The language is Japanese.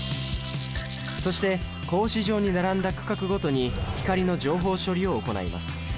そして格子状に並んだ区画ごとに光の情報処理を行います。